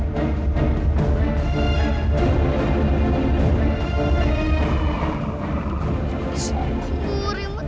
mas rima takut ini buruk